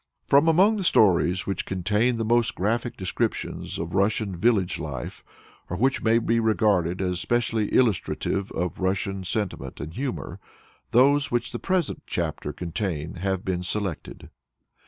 From among the stories which contain the most graphic descriptions of Russian village life, or which may be regarded as specially illustrative of Russian sentiment and humor those which the present chapter contains have been selected.